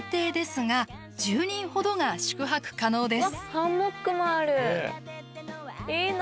ハンモックもあるいいな。